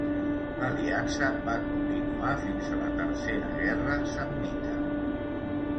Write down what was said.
L'aliança va continuar fins a la Tercera Guerra Samnita.